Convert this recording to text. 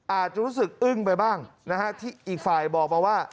อาจจะรู้สึกอึ้งไปบ้างนะฮะที่อีกฝ่ายบอกมาว่า